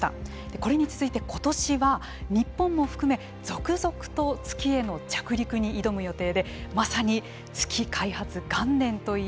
これに続いて、今年は日本も含め続々と月への着陸に挑む予定でまさに月開発元年といえる年です。